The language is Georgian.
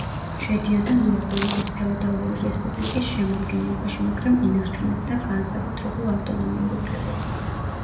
შედიოდა ნოვგოროდის ფეოდალური რესპუბლიკის შემადგენლობაში, მაგრამ ინარჩუნებდა განსაკუთრებულ ავტონომიურ უფლებებს.